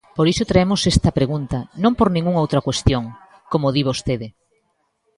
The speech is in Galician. Por iso traemos esta pregunta, non por ningunha outra cuestión, como di vostede.